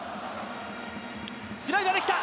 スライダーできた！